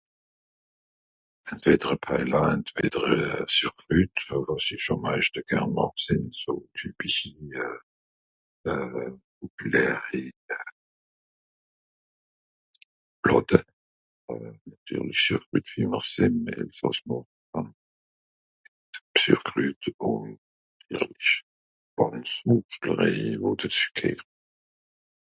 Entwedder e Paëlla, entwedder e Sürkrütt odder es ìsch àm meischte (...) gsìnn, so typische euh... (...) Blàtte. Nàtirlisch (...) ìm Elsàss màche mr Sürkrütt ùn (...).